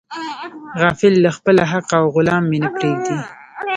غافل له خپله حقه او غلام مې نه پریږدي.